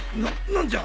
なんじゃ！？